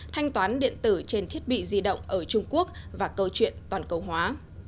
thanh toán điện tử trên thiết bị di động ở trung quốc và câu chuyện toàn cầu hóa